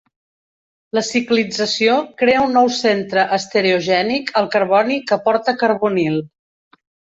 La ciclització crea un nou centre estereogènic al carboni que porta carbonil.